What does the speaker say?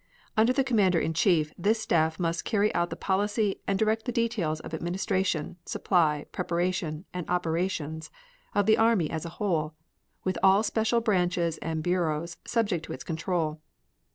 Under the Commander in Chief, this staff must carry out the policy and direct the details of administration, supply, preparation, and operations of the army as a whole, with all special branches and bureaus subject to its control.